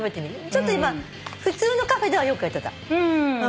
ちょっと今普通のカフェではよくやってた。